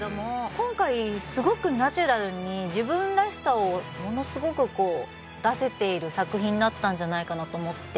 今回すごくナチュラルに自分らしさをものすごくこう出せている作品になったんじゃないかなと思って。